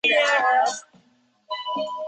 他的画风后被其子孙和弟子传承。